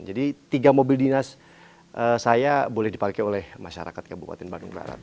jadi tiga mobil dinas saya boleh dipakai oleh masyarakat kabupaten bandung barat